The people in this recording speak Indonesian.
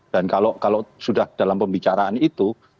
dan kalau sudah dalam pembicaraan itu